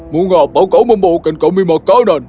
mengapa kau membawakan kami makanan